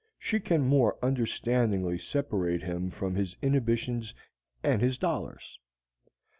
She can more understandingly separate him from his inhibitions and his dollars.